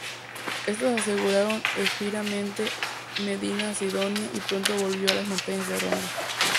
Estos aseguraron efímeramente Medina Sidonia y pronto volvieron a las montañas de Ronda.